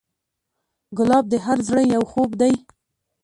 ګلاب د هر زړه یو خوب دی.